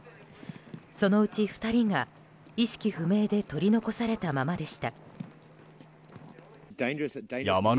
そのうち２人が意識不明で取り残されたままでした。